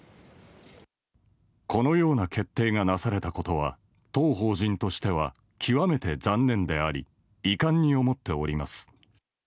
このような決定がなされたことは当法人としては極めて残念であり遺憾に思っております。